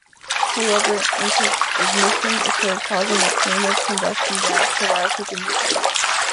However, ignition occurred, causing a plume of combusting gas to rise within the tank.